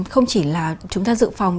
không chỉ là chúng ta dự phòng